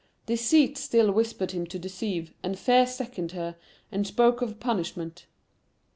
Deceit still whispered him to deceive, and Fear seconded her, and spoke of punishment.